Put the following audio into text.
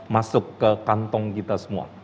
masuk ke kantong kita semua